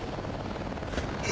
え？